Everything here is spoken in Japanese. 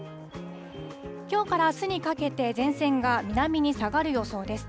きょうからあすにかけて、前線が南に下がる予想です。